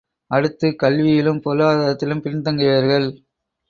அடுத்து, கல்வியிலும் பொருளாதாரத்திலும் பின்தங்கியவர்கள்.